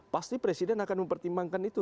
pasti presiden akan mempertimbangkan itu